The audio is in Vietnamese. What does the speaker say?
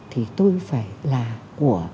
thì tôi phải là của